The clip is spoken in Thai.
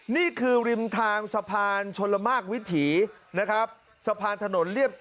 นี้คือริมทางสะพานชลมรมรากวิถี